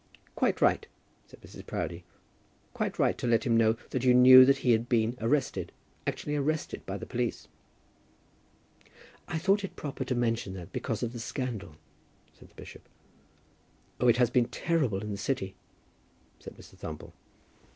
"Quite right," said Mrs. Proudie, "quite right to let him know that you knew that he had been arrested, actually arrested by the police." "I thought it proper to mention that, because of the scandal," said the bishop. "Oh, it has been terrible in the city," said Mr. Thumble.